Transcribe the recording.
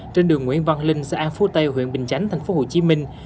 trên đường nguyễn văn linh xã an phú tây huyện bình chánh thành phố hồ chí minh